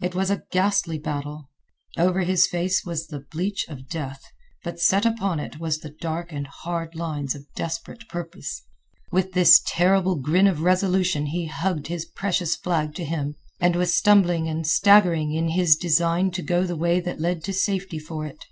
It was a ghastly battle. Over his face was the bleach of death, but set upon it was the dark and hard lines of desperate purpose. With this terrible grin of resolution he hugged his precious flag to him and was stumbling and staggering in his design to go the way that led to safety for it.